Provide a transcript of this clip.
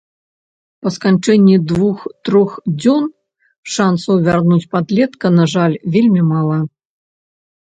Па сканчэнні двух-трох дзён шанцаў вярнуць подлетка, на жаль, вельмі мала.